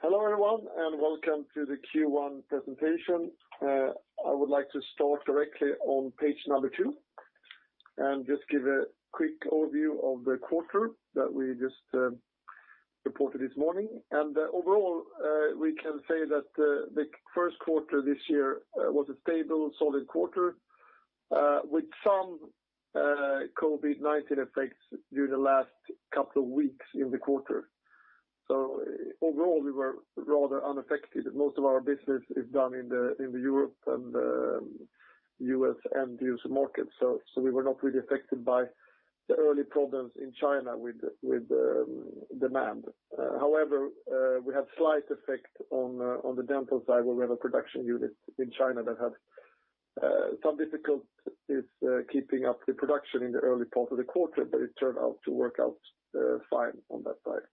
Hello everyone, welcome to the Q1 presentation. I would like to start directly on page two, and just give a quick overview of the quarter that we just reported this morning. Overall, we can say that the first quarter this year was a stable, solid quarter, with some COVID-19 effects during the last couple of weeks in the quarter. Overall, we were rather unaffected. Most of our business is done in the Europe and the U.S. end-use market, so we were not really affected by the early problems in China with demand. However, we had slight effect on the dental side, where we have a production unit in China that had some difficulties keeping up the production in the early part of the quarter, but it turned out to work out fine on that side.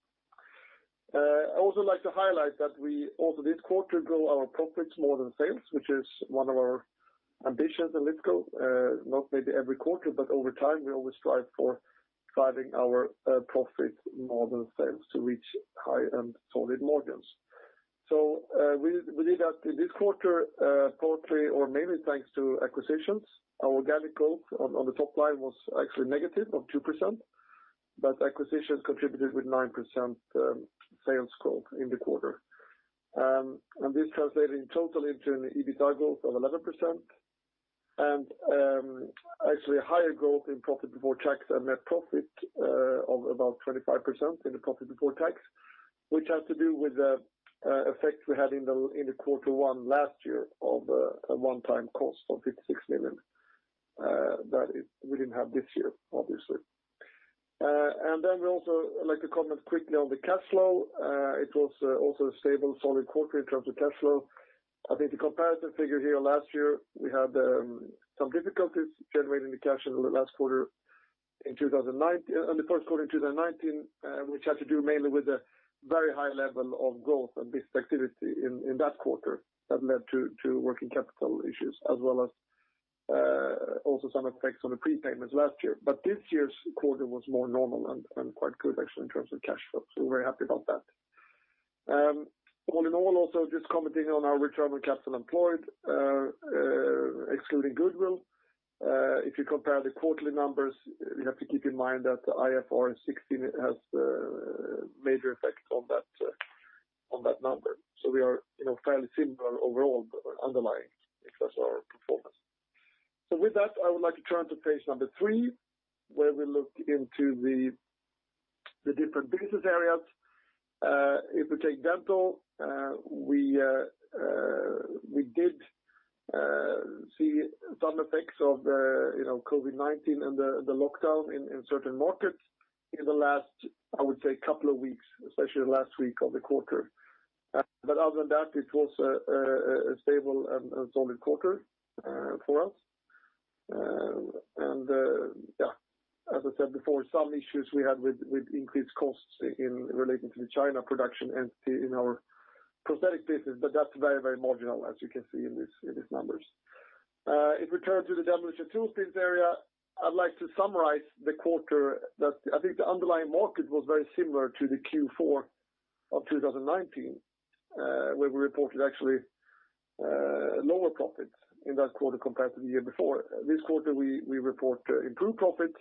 I also like to highlight that we also this quarter grow our profits more than sales, which is one of our ambitions in Lifco. Not maybe every quarter, but over time, we always strive for driving our profit more than sales to reach high and solid margins. We did that in this quarter, quarterly, or mainly thanks to acquisitions. Our organic growth on the top line was actually negative of 2%. Acquisitions contributed with 9% sales growth in the quarter. This translated in total into an EBITDA growth of 11%, and actually a higher growth in profit before tax and net profit of about 25% in the profit before tax, which has to do with the effect we had in the quarter one last year of a one-time cost of 56 million, that we didn't have this year, obviously. We also like to comment quickly on the cash flow. It was also a stable, solid quarter in terms of cash flow. The comparison figure here last year, we had some difficulties generating the cash in the first quarter in 2019, which had to do mainly with the very high level of growth and business activity in that quarter that led to working capital issues as well as also some effects on the prepayments last year. This year's quarter was more normal and quite good actually in terms of cash flow. We're very happy about that. All in all also just commenting on our return on capital employed, excluding goodwill. If you compare the quarterly numbers, you have to keep in mind that IFRS 16 has a major effect on that number. We are fairly similar overall underlying across our performance. With that, I would like to turn to page number three, where we look into the different business areas. If we take dental, we did see some effects of the COVID-19 and the lockdown in certain markets in the last, I would say, couple of weeks, especially the last week of the quarter. Other than that, it was a stable and solid quarter for us. As I said before, some issues we had with increased costs relating to the China production entity in our prosthetic business, but that's very marginal as you can see in these numbers. If we turn to the Demolition & Tools business area, I'd like to summarize the quarter that I think the underlying market was very similar to the Q4 of 2019, where we reported actually lower profits in that quarter compared to the year before. This quarter, we report improved profits,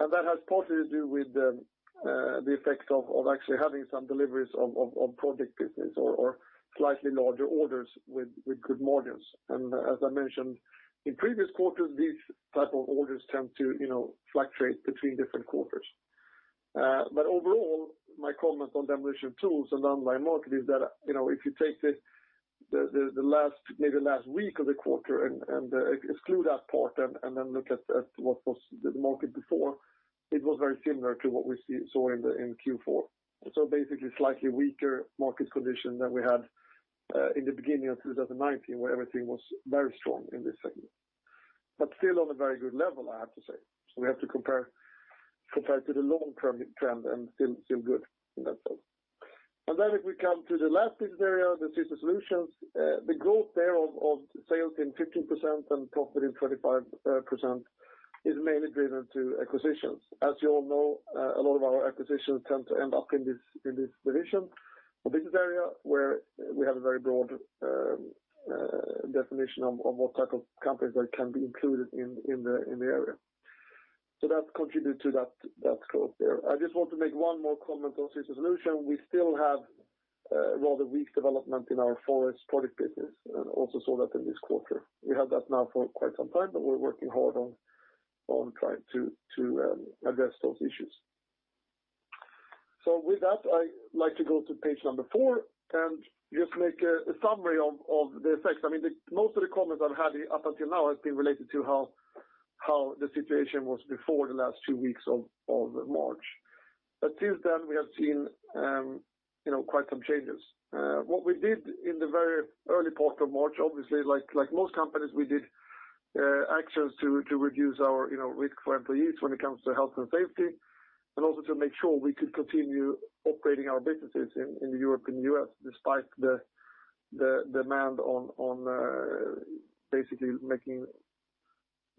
that has partly to do with the effect of actually having some deliveries of project business or slightly larger orders with good margins. As I mentioned in previous quarters, these type of orders tend to fluctuate between different quarters. Overall, my comment on Demolition & Tools and underlying market is that if you take maybe the last week of the quarter and exclude that part and then look at what was the market before, it was very similar to what we saw in Q4. Basically slightly weaker market condition than we had in the beginning of 2019, where everything was very strong in this segment. Still on a very good level, I have to say. We have to compare to the long-term trend and still good in that sense. If we come to the last business area, the Systems Solutions, the growth there of sales in 15% and profit in 25% is mainly driven to acquisitions. As you all know, a lot of our acquisitions tend to end up in this division or business area, where we have a very broad definition of what type of companies that can be included in the area. That contribute to that growth there. I just want to make one more comment on Systems Solutions. We still have a rather weak development in our forest product business, and also saw that in this quarter. We have that now for quite some time, but we're working hard on trying to address those issues. With that, I'd like to go to page number four and just make a summary of the effects. Most of the comments I've had up until now has been related to how the situation was before the last two weeks of March. Since then, we have seen quite some changes. What we did in the very early part of March, obviously, like most companies, we did actions to reduce our risk for employees when it comes to health and safety, and also to make sure we could continue operating our businesses in the Europe and U.S. despite the demand on basically making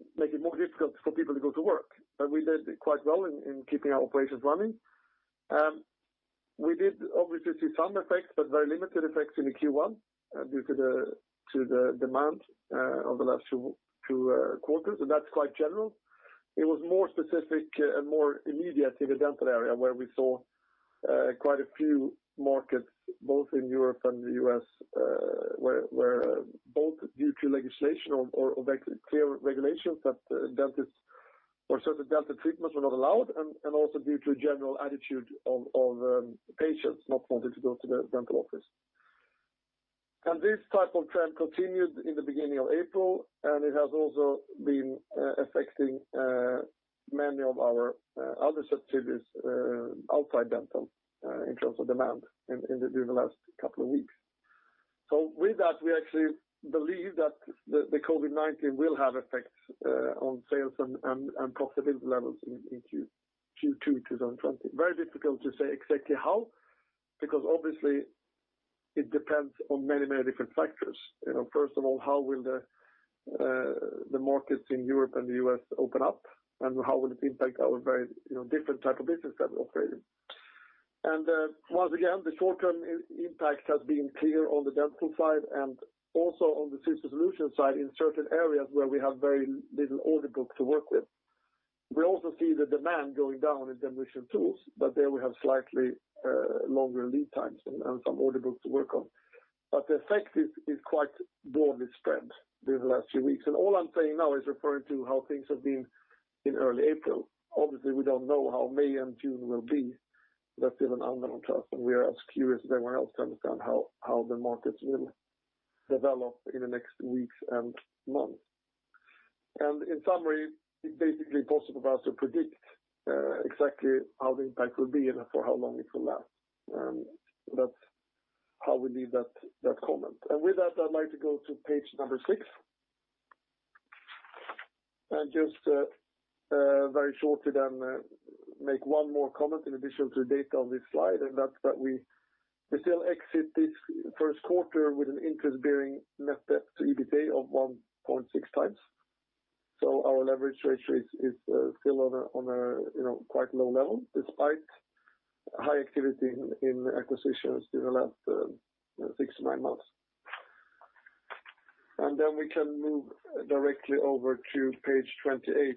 it more difficult for people to go to work. We did quite well in keeping our operations running. We did obviously see some effects, but very limited effects in the Q1 due to the demand over the last two quarters, and that's quite general. It was more specific and more immediate in the dental area, where we saw quite a few markets, both in Europe and the U.S., where both due to legislation or clear regulations that certain dental treatments were not allowed, and also due to a general attitude of patients not wanting to go to the dental office. This type of trend continued in the beginning of April, and it has also been affecting many of our other subsidiaries outside dental in terms of demand during the last couple of weeks. With that, we actually believe that the COVID-19 will have effects on sales and profitability levels in Q2 2020. Very difficult to say exactly how, because obviously it depends on many different factors. First of all, how will the markets in Europe and the U.S. open up. How will it impact our very different type of business that we operate in. Once again, the short-term impact has been clear on the dental side and also on the Systems Solutions side in certain areas where we have very little order book to work with. We also see the demand going down in Demolition & Tools, but there we have slightly longer lead times and some order books to work on. The effect is quite broadly spread these last few weeks. All I'm saying now is referring to how things have been in early April. Obviously, we don't know how May and June will be. That's still an unknown to us, and we are as curious as anyone else to understand how the markets will develop in the next weeks and months. In summary, it's basically impossible for us to predict exactly how the impact will be and for how long it will last. That's how we leave that comment. With that, I'd like to go to page six. Just very shortly make one more comment in addition to the data on this slide, and that's that we still exit this first quarter with an interest-bearing net debt to EBITDA of 1.6 times. Our leverage ratio is still on a quite low level, despite high activity in acquisitions in the last six to nine months. We can move directly over to page 28,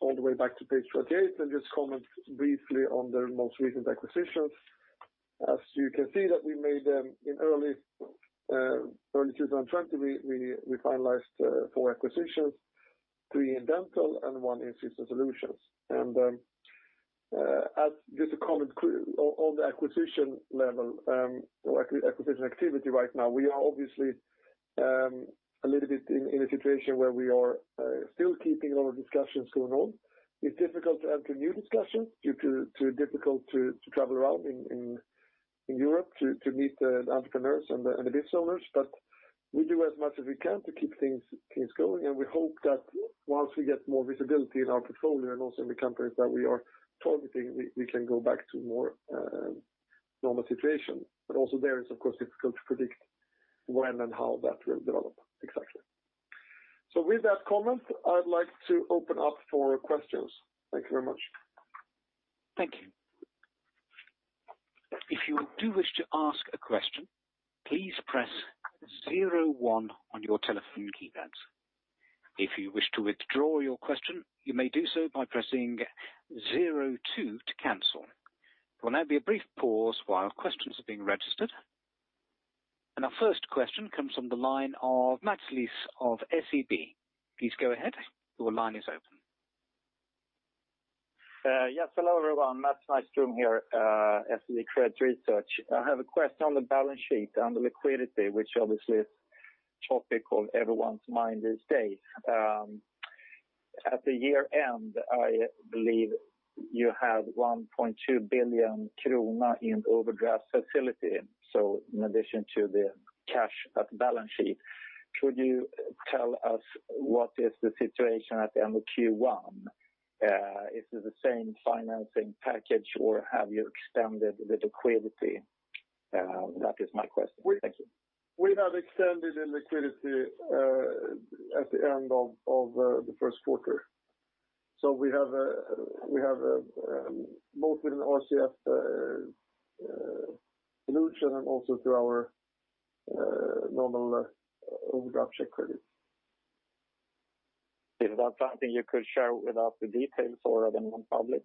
all the way back to page 28, and just comment briefly on the most recent acquisitions. As you can see that we made them in early 2020, we finalized four acquisitions, three in Dental and one in Systems Solutions. Just a comment on the acquisition level or acquisition activity right now. We are obviously a little bit in a situation where we are still keeping our discussions going on. It's difficult to enter new discussions due to difficult to travel around in Europe to meet the entrepreneurs and the business owners. We do as much as we can to keep things going, and we hope that once we get more visibility in our portfolio and also in the companies that we are targeting, we can go back to more normal situation. Also there, it's of course difficult to predict when and how that will develop exactly. With that comment, I'd like to open up for questions. Thank you very much. Thank you. If you do wish to ask a question, please press zero one on your telephone keypad. If you wish to withdraw your question, you may do so by pressing zero two to cancel. There will now be a brief pause while questions are being registered. Our first question comes from the line of Mats Nyström of SEB. Please go ahead. Your line is open. Yes. Hello, everyone. Mats Nyström here SEB Credit Research. I have a question on the balance sheet, on the liquidity, which obviously is topic on everyone's mind these days. At the year-end, I believe you had 1.2 billion krona in overdraft facility. In addition to the cash at balance sheet, could you tell us what is the situation at the end of Q1? Is it the same financing package, or have you extended the liquidity? That is my question. Thank you. We have extended the liquidity at the end of the first quarter. We have both with an RCF solution and also through our normal overdraft credit. Is that something you could share without the details or are they non-public?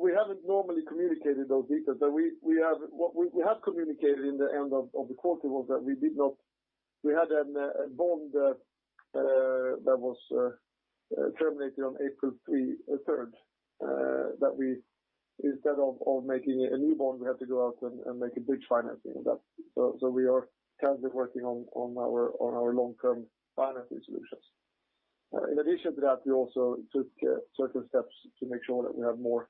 We haven't normally communicated those details. What we have communicated in the end of the quarter was that we had a bond that was terminated on April 3rd that instead of making a new bond, we had to go out and make a bridge financing. We are currently working on our long-term financing solutions. In addition to that, we also took certain steps to make sure that we have more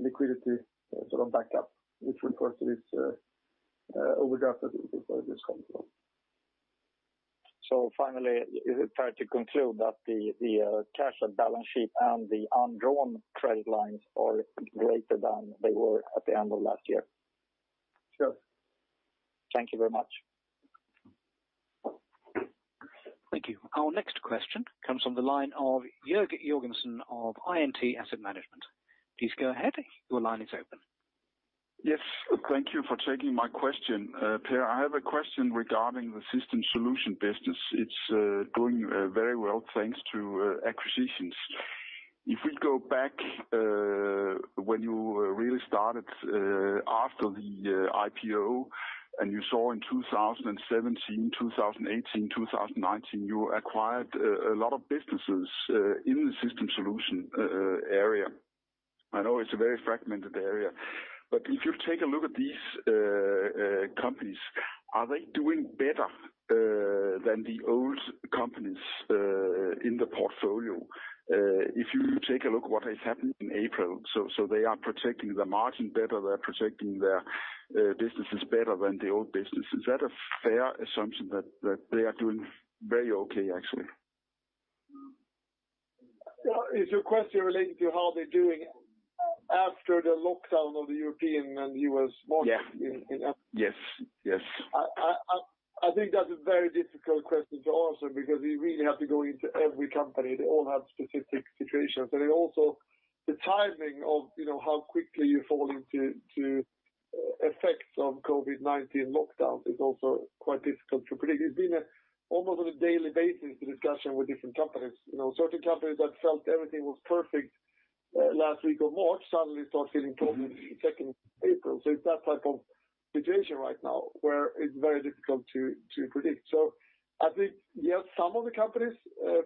liquidity sort of backup, which of course is overdraft facility for this company. Finally, is it fair to conclude that the cash at balance sheet and the undrawn trade lines are greater than they were at the end of last year? Sure. Thank you very much. Thank you. Our next question comes from the line of Jørgen Jørgensen of INT Asset Management. Please go ahead. Your line is open. Yes. Thank you for taking my question. Per, I have a question regarding the Systems Solutions business. It's doing very well, thanks to acquisitions. If we go back, when you really started after the IPO, and you saw in 2017, 2018, 2019, you acquired a lot of businesses in the Systems Solutions area. I know it's a very fragmented area, but if you take a look at these companies, are they doing better than the old companies in the portfolio? If you take a look at what has happened in April, they are protecting the margin better, they're protecting their businesses better than the old businesses. Is that a fair assumption that they are doing very okay, actually? Is your question related to how they're doing after the lockdown of the European and U.S. market in April? Yes. I think that's a very difficult question to answer because we really have to go into every company. They all have specific situations, but also the timing of how quickly you fall into effects of COVID-19 lockdown is also quite difficult to predict. It's been almost on a daily basis discussion with different companies. Certain companies that felt everything was perfect last week of March suddenly start feeling problems second week of April. It's that type of situation right now where it's very difficult to predict. I think, yes, some of the companies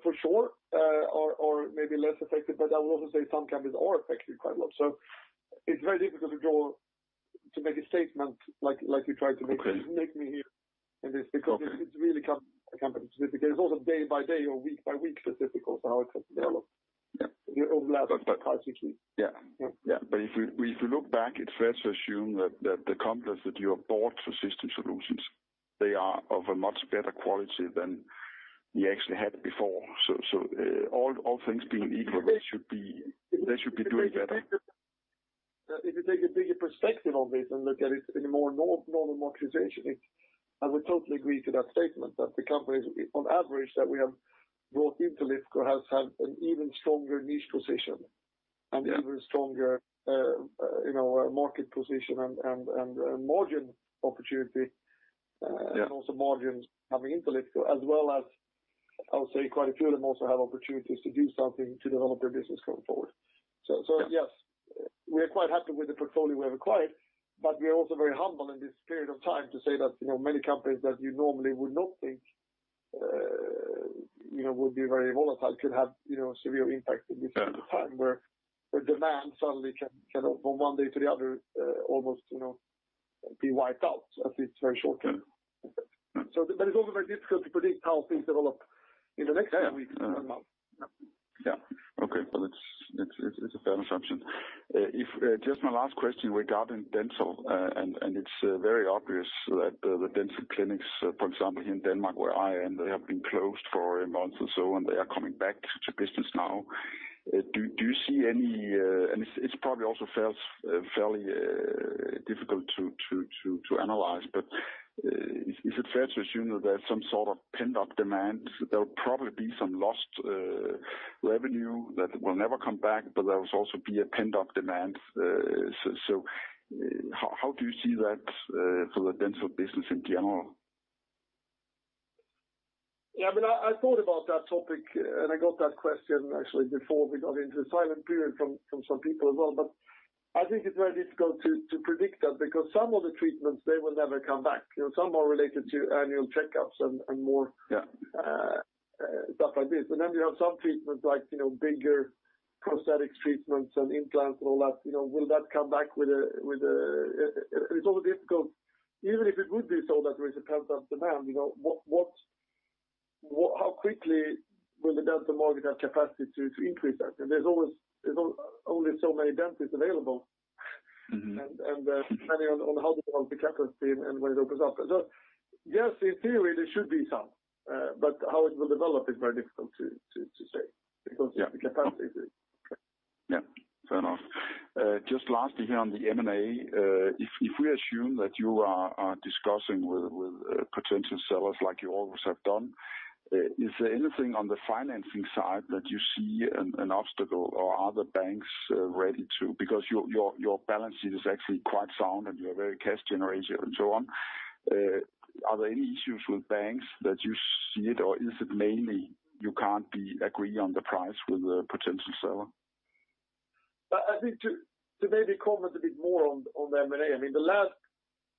for sure are maybe less affected, but I would also say some companies are affected quite a lot. It's very difficult to make a statement like you tried to make me here in this, because it's really company specific. It's also day-by-day or week-by-week that's difficult how it has developed. Yeah. Over the last five, six weeks. Yeah. If you look back, it's fair to assume that the companies that you have bought for Systems Solutions, they are of a much better quality than you actually had before. All things being equal, they should be doing better. If you take a bigger perspective on this and look at it in a more normal marketization, I would totally agree to that statement that the companies on average that we have brought into Lifco has had an even stronger niche position and even stronger market position and margin opportunity, and also margins coming into Lifco as well as I would say quite a few of them also have opportunities to do something to develop their business going forward. Yes, we are quite happy with the portfolio we have acquired, but we are also very humble in this period of time to say that many companies that you normally would not think would be very volatile could have severe impact in this at a time where demand suddenly can from one day to the other almost be wiped out at least very short term. Yeah. It's also very difficult to predict how things develop in the next few weeks or a month. Yeah. Okay. Well, it's a fair assumption. Just my last question regarding dental. It's very obvious that the dental clinics, for example, here in Denmark where I am, they have been closed for a month or so, and they are coming back to business now. It's probably also fairly difficult to analyze, but is it fair to assume that there's some sort of pent-up demand? There'll probably be some lost revenue that will never come back, but there will also be a pent-up demand. How do you see that for the dental business in general? Yeah, I thought about that topic. I got that question actually before we got into the silent period from some people as well. I think it's very difficult to predict that because some of the treatments, they will never come back. Some are related to annual checkups and more stuff like this. You have some treatments like bigger prosthetic treatments and implants and all that. Will that come back with a? It's always difficult. Even if it would be so that there is a pent-up demand, how quickly will the dental market have capacity to increase that. There's only so many dentists available, and depending on how the. Yeah, fair enough. Just lastly here on the M&A, if we assume that you are discussing with potential sellers like you always have done, is there anything on the financing side that you see an obstacle or are the banks ready to, because your balance sheet is actually quite sound and you are very cash generative and so on. Are there any issues with banks that you see it, or is it mainly you can't agree on the price with the potential seller? I think to maybe comment a bit more on the M&A, I mean, the last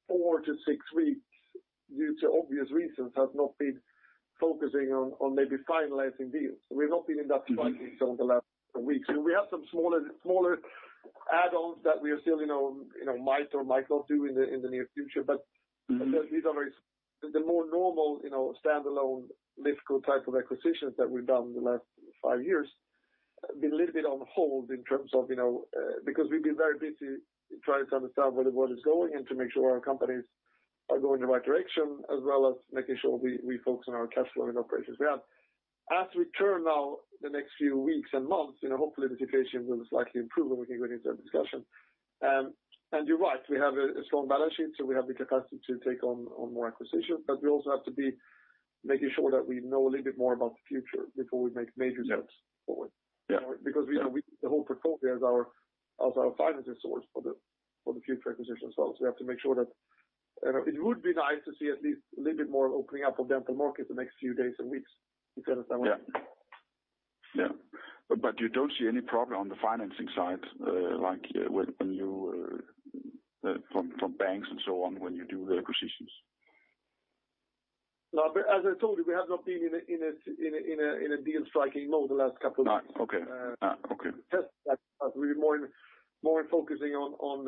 four to six weeks, due to obvious reasons, have not been focusing on maybe finalizing deals. We've not been in that phase over the last weeks. We have some smaller add-ons that we are still might or might not do in the near future. The more normal standalone Lifco type of acquisitions that we've done in the last five years have been a little bit on hold in terms of, because we've been very busy trying to understand really what is going and to make sure our companies are going in the right direction, as well as making sure we focus on our cash flow and operations. As we turn now, the next few weeks and months, hopefully the situation will slightly improve and we can get into a discussion. You're right, we have a strong balance sheet, so we have the capacity to take on more acquisitions, but we also have to be making sure that we know a little bit more about the future before we make major steps forward. Yeah. Because the whole portfolio is our financing source for the future acquisitions as well. It would be nice to see at least a little bit more opening up of dental markets the next few days and weeks. You can understand what I mean. Yeah. You don't see any problem on the financing side, like from banks and so on when you do the acquisitions? As I told you, we have not been in a deal striking mode the last couple of months. Okay. We're more in focusing on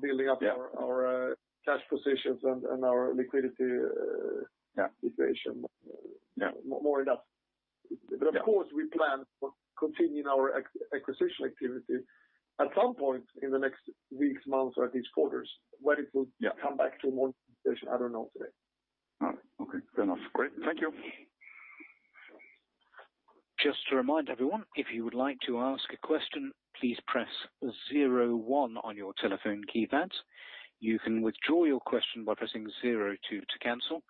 building up our cash positions and our liquidity situation more enough. Yeah. Of course, we plan on continuing our acquisition activity at some point in the next weeks, months, or at least quarters. When it will come back to a more position, I don't know today. All right. Okay. Fair enough. Great. Thank you. Just to remind everyone, if you would like to ask a question, please press zero one on your telephone keypad. You can withdraw your question by pressing zero two to cancel.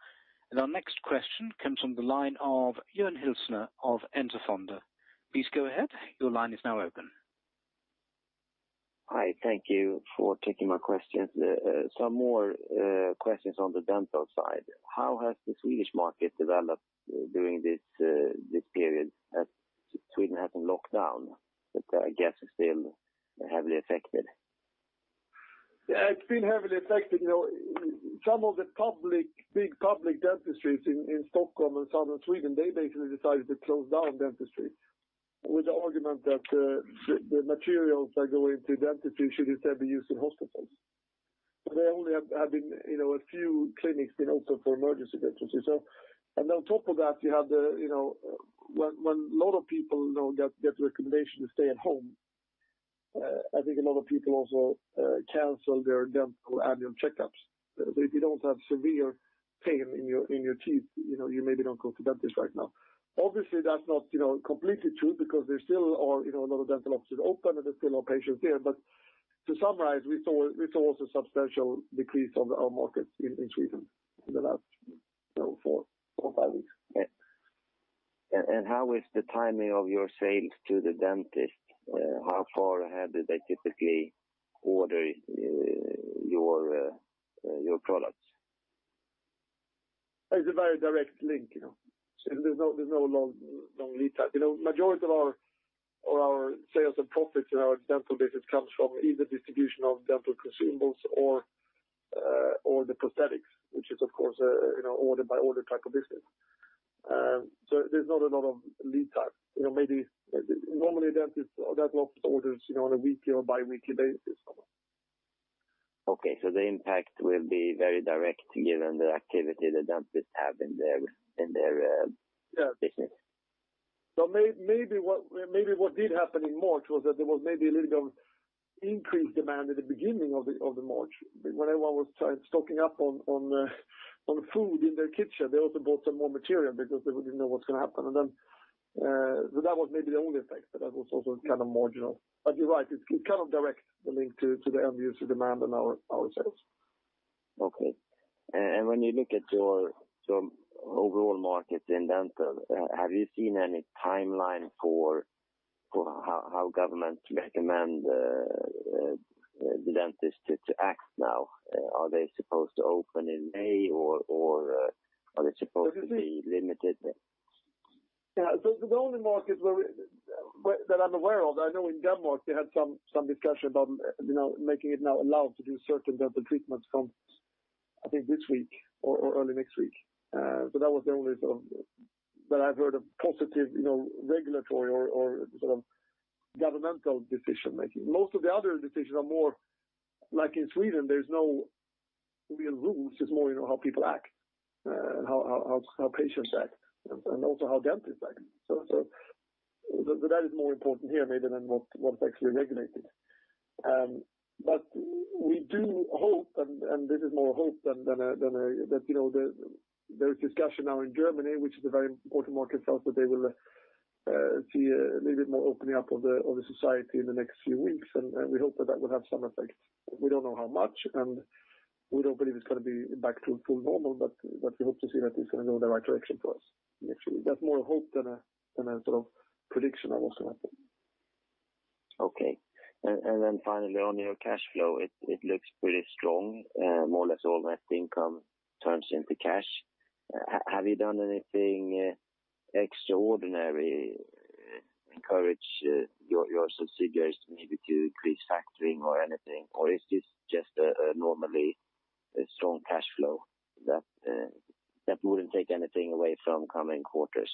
Our next question comes from the line of Jon Hyltner of Enter Fonder. Please go ahead. Your line is now open. Hi, thank you for taking my questions. Some more questions on the Dental side. How has the Swedish market developed during this period that Sweden has been locked down? I guess it's still heavily affected. Yeah, it's been heavily affected. Some of the big public dentistries in Stockholm and Southern Sweden, they basically decided to close down dentistry with the argument that the materials that go into dentistry should instead be used in hospitals. There only have been a few clinics been open for emergency dentistry. On top of that, when lot of people now get the recommendation to stay at home, I think a lot of people also cancel their dental annual checkups. If you don't have severe pain in your teeth, you maybe don't go to dentist right now. Obviously, that's not completely true because there still are a lot of dental offices open, and there's still patients there. To summarize, we saw also substantial decrease on our markets in Sweden in the last four or five weeks. Yeah. How is the timing of your sales to the dentist? How far ahead do they typically order your products? It's a very direct link. There's no long lead time. Majority of our sales and profits in our Dental business comes from either distribution of dental consumables or the prosthetics, which is, of course, order by order type of business. There's not a lot of lead time. Normally dentist does lot of orders on a weekly or biweekly basis. The impact will be very direct given the activity the dentists have in their business. Yeah. Maybe what did happen in March was that there was maybe a little bit of increased demand at the beginning of March. When everyone was stocking up on food in their kitchen, they also bought some more material because they didn't know what's going to happen. That was maybe the only effect, but that was also marginal. You're right, it's direct the link to the end user demand and our sales. Okay. When you look at your overall market in dental, have you seen any timeline for how government recommend the dentist to act now? Are they supposed to open in May or are they supposed to be limited? The only market that I'm aware of, I know in Denmark, they had some discussion about making it now allowed to do certain dental treatments from, I think this week or early next week. That was the only that I've heard of positive regulatory or governmental decision making. Most of the other decisions are more, like in Sweden, there's no real rules, it's more how people act, and how patients act, and also how dentists act. That is more important here maybe than what's actually regulated. We do hope, and this is more hope than. There is discussion now in Germany, which is a very important market for us, that they will see a little bit more opening up of the society in the next few weeks, and we hope that that will have some effect. We don't know how much, and we don't believe it's going to be back to full normal, but we hope to see that it's going to go in the right direction for us. Actually, that's more hope than a prediction of what's going to happen. Okay. Finally on your cash flow, it looks pretty strong. More or less all net income turns into cash. Have you done anything extraordinary, encourage your subsidiaries maybe to increase factoring or anything? Or is this just a normally strong cash flow that wouldn't take anything away from coming quarters?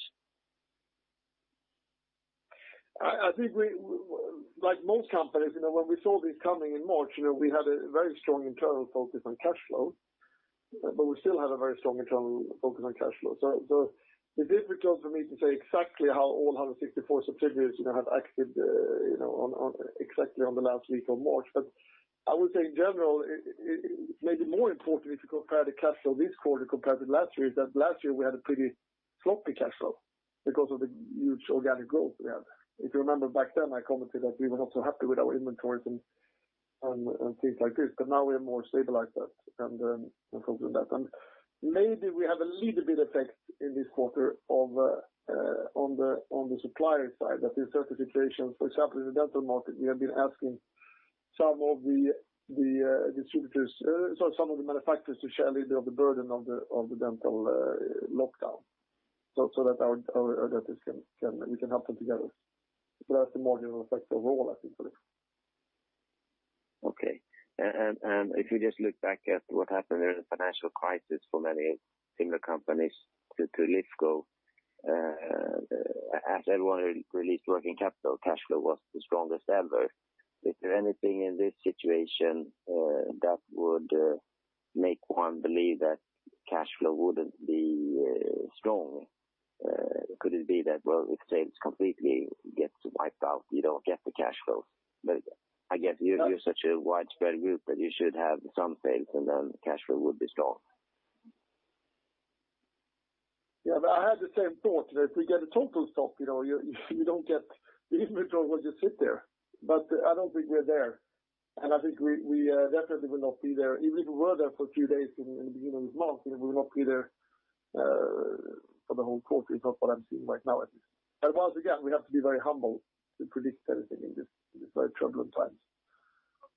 I think like most companies, when we saw this coming in March, we had a very strong internal focus on cash flow, but we still have a very strong internal focus on cash flow. It's difficult for me to say exactly how all 164 subsidiaries have acted exactly on the last week of March. I would say in general, maybe more importantly, to compare the cash flow this quarter compared to last year, is that last year we had a pretty sloppy cash flow. Because of the huge organic growth we had. If you remember back then, I commented that we were not so happy with our inventories and things like this, now we are more stabilized there and focused on that. Maybe we have a little bit effect in this quarter on the supplier side that the certification, for example, in the dental market, we have been asking some of the manufacturers to share a little bit of the burden of the dental lockdown so that we can help them together. That's the marginal effect overall, I think. Okay. If you just look back at what happened during the financial crisis for many similar companies to Lifco, as everyone released working capital, cash flow was the strongest ever. Is there anything in this situation that would make one believe that cash flow wouldn't be strong? Could it be that, well, if sales completely gets wiped out, you don't get the cash flow? I guess you're such a widespread group that you should have some sales, and then cash flow would be strong. I had the same thought that if we get a total stop, the inventory will just sit there. I don't think we're there, and I think we definitely will not be there. Even if we were there for a few days in the beginning of this month, we will not be there for the whole quarter. It's not what I'm seeing right now, at least. Once again, we have to be very humble to predict anything in these very troubling times.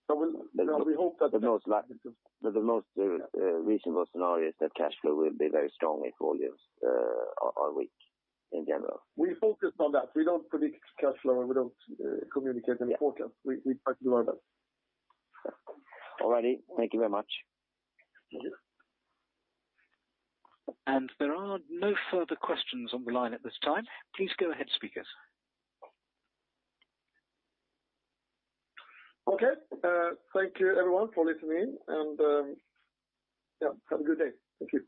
we hope that-. The most reasonable scenario is that cash flow will be very strong if volumes are weak in general. We focused on that. We don't predict cash flow, and we don't communicate any forecast. We try to do our best. All right. Thank you very much. Thank you. There are no further questions on the line at this time. Please go ahead, speakers. Okay. Thank you, everyone, for listening, and have a good day. Thank you.